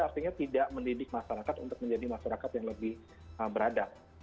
artinya tidak mendidik masyarakat untuk menjadi masyarakat yang lebih beradab